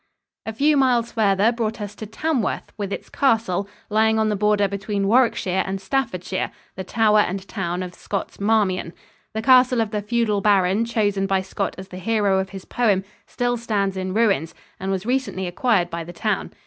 A few miles farther brought us to Tamworth with its castle, lying on the border between Warwickshire and Staffordshire, the "tower and town" of Scott's "Marmion." The castle of the feudal baron chosen by Scott as the hero of his poem still stands in ruins, and was recently acquired by the town.